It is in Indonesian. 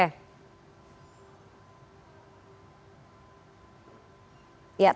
ya tampaknya kita